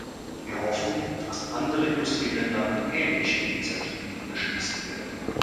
Wir hoffen, dass andere Industrieländer ähnliche Initiativen beschließen werden.